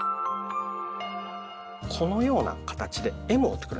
このような形でＭを作るんですね。